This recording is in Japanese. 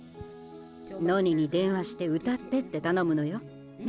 ノニに電話して歌ってってたのむのよ。ね？